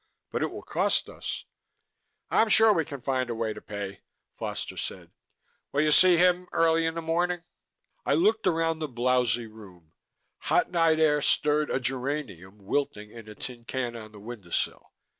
But it will cost us." "I'm sure we can find a way to pay," Foster said. "Will you see him early in the morning?" I looked around the blowsy room. Hot night air stirred a geranium wilting in a tin can on the window sill.